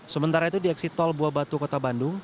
sementara itu di aksi tol buabatu kota bandung